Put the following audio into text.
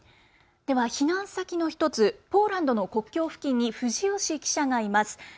では、避難先の１つポーランドの国境付近に藤吉記者がいます。